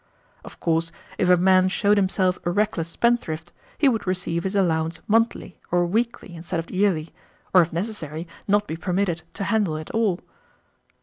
Of course if a man showed himself a reckless spendthrift he would receive his allowance monthly or weekly instead of yearly, or if necessary not be permitted to handle it all."